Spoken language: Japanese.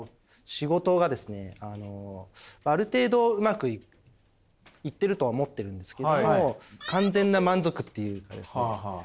仕事がですねある程度うまくいってるとは思ってるんですけど完全な満足っていうかですね